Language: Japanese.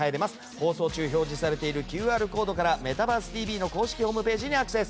放送中表示されているＱＲコードから「メタバースＴＶ！！」の公式ホームページにアクセス。